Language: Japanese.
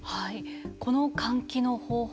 この換気の方法